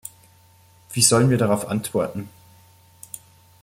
Wie sollen wir darauf antworten?